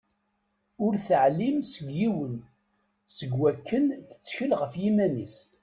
Ur teɛlim s yiwen seg wakken tettkel ɣef yiman-is.